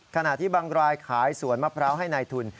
ขณะที่บางรายขายสวนมะพร้าวให้นายทุน